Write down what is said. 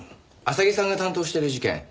浅木さんが担当している事件